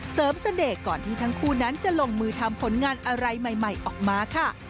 เสน่ห์ก่อนที่ทั้งคู่นั้นจะลงมือทำผลงานอะไรใหม่ออกมาค่ะ